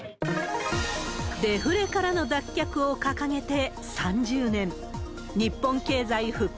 デフレからの脱却を掲げて３０年。